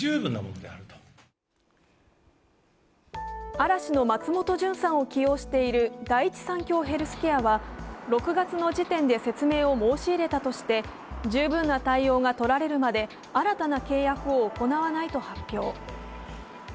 嵐の松本潤さんを起用している第一三共ヘルスケアは、６月の時点で説明を申し入れたとして十分な対応がとられるまで新たな契約を行わないと発表。